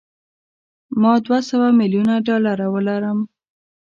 ما دوه سوه میلیونه ډالره ولرم.